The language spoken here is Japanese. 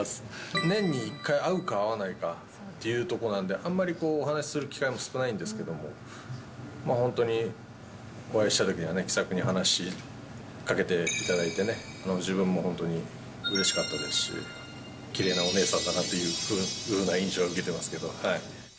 年に１回会うか会わないかっていうところなんで、あんまりこう、お話しする機会も少ないんですけれども、本当にお会いしたときには気さくに話しかけていただいてね、自分も本当にうれしかったですし、きれいなお姉さんだなというふうな印象を受けていますけどね。